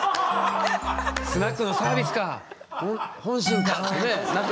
スナックのサービスか本心かなって。